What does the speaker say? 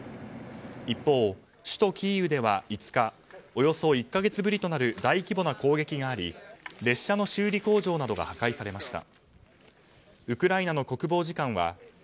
一方、首都キーウでは５日およそ１か月ぶりとなる大規模な攻撃があり列車の修理工場などが破壊されました。